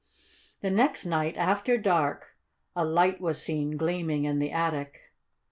The next night, after dark, a light was seen gleaming in the attic.